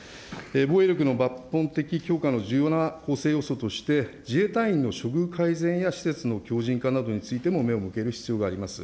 防衛力の抜本的強化の重要な構成要素として、自衛隊員の処遇改善や施設の強じん化などについても目を向ける必要があります。